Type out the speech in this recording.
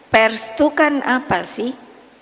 pers itu kan apa sih